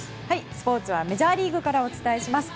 スポーツはメジャーリーグからお伝えします。